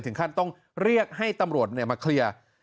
ถึงขั้นต้องเรียกให้ตำรวจมาเคลียร์